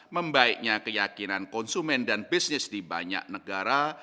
membaiknya keyakinan konsumen dan bisnis di banyak negara